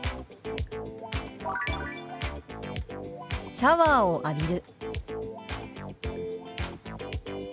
「シャワーを浴びる」。